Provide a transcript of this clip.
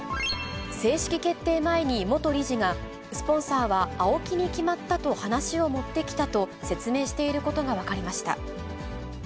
正式決定前に元理事が、スポンサーはＡＯＫＩに決まったと話を持ってきたと、説明していることが分かりました。